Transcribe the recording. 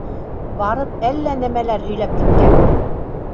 Барып әллә нәмәләр һөйләп киткән!